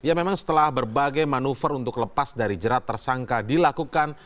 ya memang setelah berbagai manuver untuk lepas dari jerat tersangka dilakukan